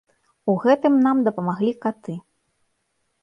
У гэтым нам дапамагалі каты!